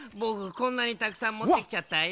こんなにたくさんもってきちゃったよ。